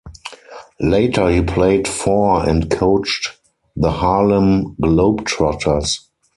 Later he played for and coached the Harlem Globetrotters.